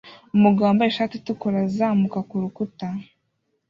Umugabo wambaye ishati itukura azamuka kurukuta